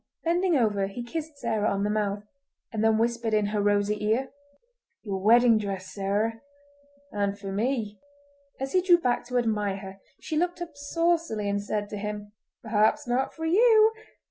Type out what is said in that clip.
Bending over he kissed Sarah on the mouth, and then whispered in her rosy ear— "Your wedding dress, Sarah! And for me!" As he drew back to admire her she looked up saucily, and said to him— "Perhaps not for you.